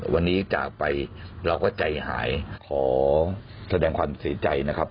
วันนี้จากไปเราก็ใจหายขอแสดงความเสียใจนะครับ